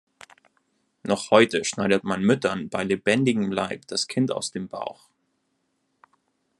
Noch heute schneidet man Müttern bei lebendigem Leib das Kind aus dem Bauch.